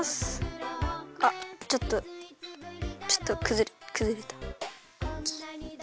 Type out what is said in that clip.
あっちょっとちょっとくずれた。